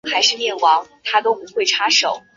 我弟又闹着要回家打游戏。